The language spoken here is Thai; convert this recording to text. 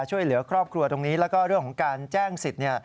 ช่วยเหลือครอบครัวตรงนี้แล้วก็เรื่องของการแจ้งสิทธิ์